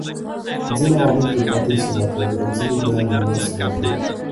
ځيني عوامل تلپاتي ثبات لري او ځيني بيا نيمه ثبات لري